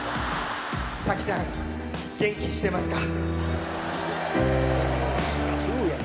さきちゃん、元気してますか？